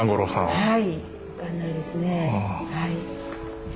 はい。